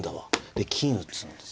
で金打つんですね。